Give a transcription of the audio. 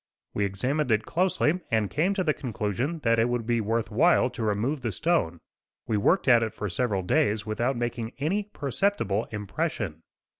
We examined it closely and came to the conclusion that it would be worth while to remove the stone. We worked at it for several days without making any perceptible impression.